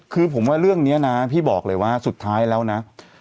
คือผมว่าเรื่องนี้นะพี่บอกเลยว่าสุดท้ายแล้วนะ